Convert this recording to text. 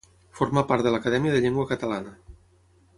Formà part de l'Acadèmia de Llengua Catalana.